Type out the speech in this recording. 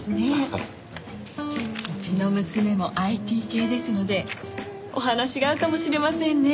うちの娘もＩＴ系ですのでお話が合うかもしれませんね。